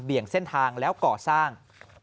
ี่ยงเส้นทางแล้วก่อสร้าง